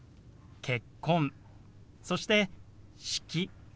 「結婚」そして「式」。